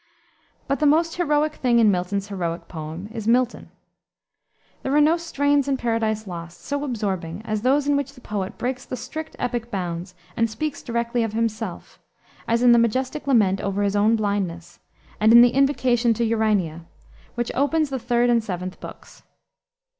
But the most heroic thing in Milton's heroic poem is Milton. There are no strains in Paradise Lost so absorbing as those in which the poet breaks the strict epic bounds and speaks directly of himself, as in the majestic lament over his own blindness, and in the invocation to Urania, which open the third and seventh books.